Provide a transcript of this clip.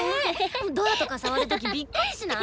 ドアとか触る時びっくりしない？